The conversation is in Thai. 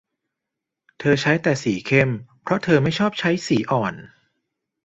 เธอใช้แต่สีเข้มเพราะเธอไม่ชอบสีอ่อน